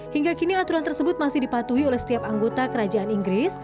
hingga kini aturan tersebut masih dipatuhi oleh setiap anggota kerajaan inggris